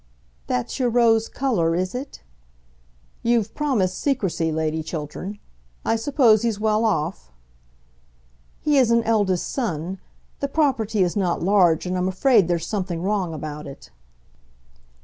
"That's your rose colour, is it?" "You've promised secrecy, Lady Chiltern. I suppose he's well off?" "He is an eldest son. The property is not large, and I'm afraid there's something wrong about it."